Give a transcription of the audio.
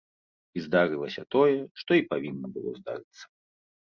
І здарылася тое, што і павінна было здарыцца.